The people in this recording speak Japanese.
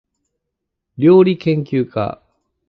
りょうりけんきゅうか